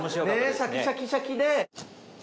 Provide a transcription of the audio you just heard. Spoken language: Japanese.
シャキシャキシャキ。